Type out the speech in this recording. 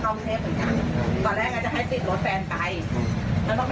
มันพูดว่าผมให้ทำนั้นแล้วมันก็ยกว่าว่าให้ผมกำลังจะไป